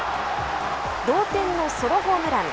同点のソロホームラン。